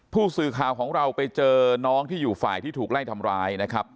ผู้สื่อข่าวของเราไปเจอน้องที่อยู่ฝ่ายที่ถูกไล่ทำร้ายนะครับ